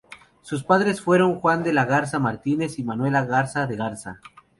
Sus padres fueron Juan de la Garza Martínez y Manuela Garza de Garza.